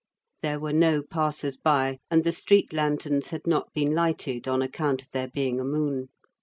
There were no passers by, and the street lanterns had not been lighted on account of there being a moon.